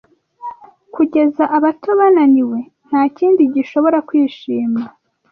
Kugeza abato, bananiwe, Ntakindi gishobora kwishima